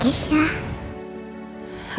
ketemu sama adik kisha